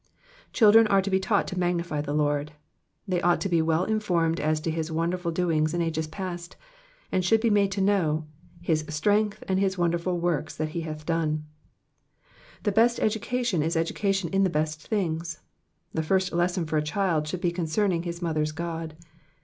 Children are to be taught to magnify the Lord ; they ought to be well informed as to his wonderful doings in ages past, and should be made to know ^' his strength and his wonder ful works that he hath done.^^ The best education is education in the best things. The first lesson for a child should be concerning his mother's God.